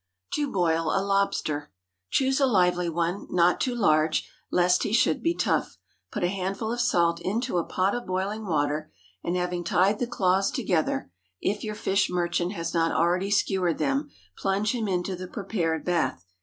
TO BOIL A LOBSTER. Choose a lively one—not too large, lest he should be tough. Put a handful of salt into a pot of boiling water, and having tied the claws together, if your fish merchant has not already skewered them, plunge him into the prepared bath.